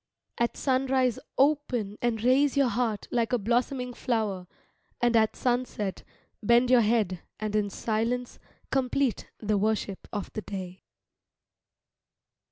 At sunrise open and raise your heart like a blossoming flower, and at sunset bend your head and in silence complete the worship of the day.